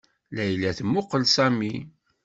Layla temmuqqel Sami.